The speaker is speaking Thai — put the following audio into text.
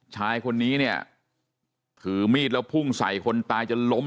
ชายคนนี้เนี่ยถือมีดแล้วพุ่งใส่คนตายจนล้ม